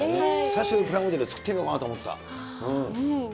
久しぶりにプラモデル作ってみようかなと思った。